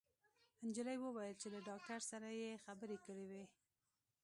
انجلۍ وويل چې له داکتر سره يې خبرې کړې وې